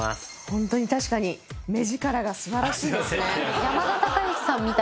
ホントに確かに目力が素晴らしいですね。